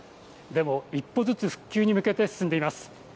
でも、一歩ずつ復旧に向けて進んでいます。